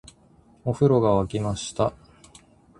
お風呂が湧きました